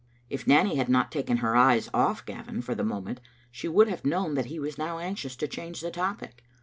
If Nanny had not taken her eyes off Gavin for the moment she would have known that he was now anxious to change the topic.